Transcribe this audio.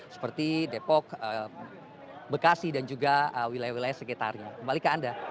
seperti depok bekasi dan juga wilayah wilayah sekitarnya kembali ke anda